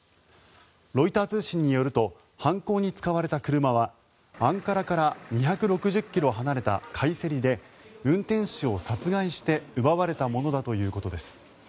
ロイター通信によると犯行に使われた車はアンカラから２６０ｋｍ離れたカイセリで運転手を殺害して奪われたものだということです。